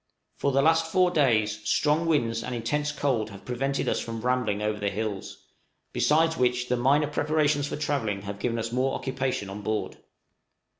For the last four days strong winds and intense cold have prevented us from rambling over the hills, besides which the minor preparations for travelling have given us more occupation on board.